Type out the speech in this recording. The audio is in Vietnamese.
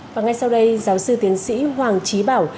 và ngay sau đây giáo sư tiến sĩ hoàng trí bảo